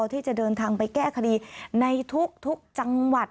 ที่จะเดินทางไปแก้คดีในทุกจังหวัด